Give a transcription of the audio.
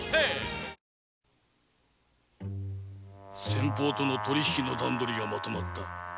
先方との取り引きの段取りがまとまった。